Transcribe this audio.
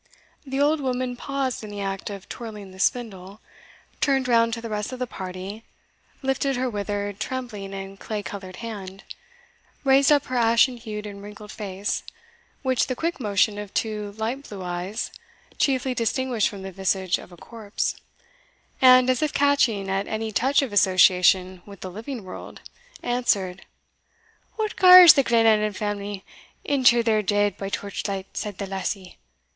The old woman paused in the act of twirling the spindle, turned round to the rest of the party, lifted her withered, trembling, and clay coloured hand, raised up her ashen hued and wrinkled face, which the quick motion of two light blue eyes chiefly distinguished from the visage of a corpse, and, as if catching at any touch of association with the living world, answered, "What gars the Glenallan family inter their dead by torchlight, said the lassie?